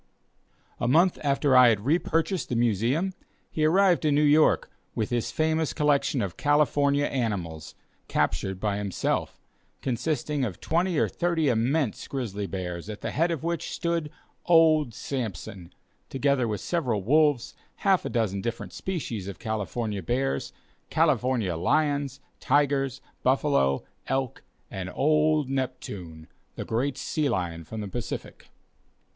A month after I had re purchased the Museum, he arrived in New York with his famous collection of California animals, captured by himself, consisting of twenty or thirty immense grizzly bears, at the head of which stood "Old Sampson," together with several wolves, half a dozen different species of California bears, California lions, tigers, buffalo, elk, and "Old Neptune," the great sea lion from the Pacific.